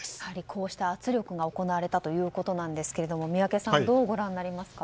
こうした圧力が行われたということですが宮家さん、どうご覧になりますか。